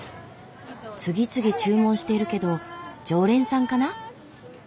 次々注文してるけど常連さんかな？